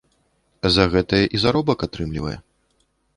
За гэта і заробак атрымлівае.